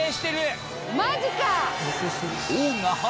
マジか！